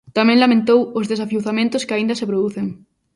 Tamén lamentou os desafiuzamentos que aínda se producen.